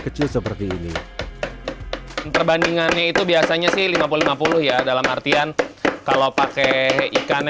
kecil seperti ini perbandingannya itu biasanya sih lima puluh lima puluh ya dalam artian kalau pakai ikannya